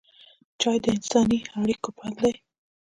چای د انساني اړیکو پل دی.